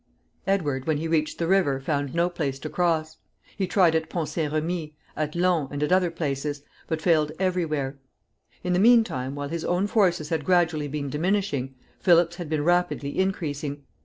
Edward, when he reached the river, found no place to cross. He tried at Pont St. Remi, at Long, and at other places, but failed every where. In the mean time, while his own forces had gradually been diminishing, Philip's had been rapidly increasing.